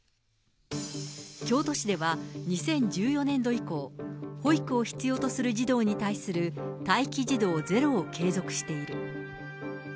京都市では２０１４年度以降、保育を必要とする児童に対する待機児童ゼロを継続している。